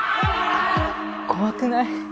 怖くない？